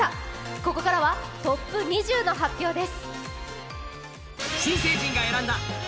ここからはトップ２０の発表です。